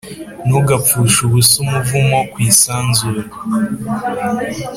ntugapfushe ubusa umuvumo ku isanzure--